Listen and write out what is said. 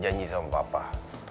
janji sama bapak